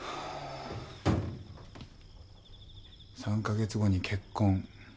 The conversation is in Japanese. ３か月後に結婚。